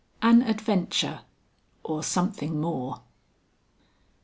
XV. AN ADVENTURE OR SOMETHING MORE.